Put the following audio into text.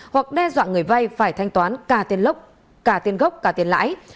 và chọn người vay phải thanh toán cả tiền lốc cả tiền gốc cả tiền lãi